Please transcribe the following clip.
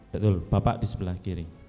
betul bapak di sebelah kiri